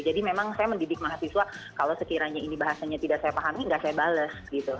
jadi memang saya mendidik mahasiswa kalau sekiranya ini bahasanya tidak saya pahami nggak saya bales gitu